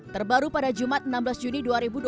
terbaru pada jumat enam belas juni dua ribu dua puluh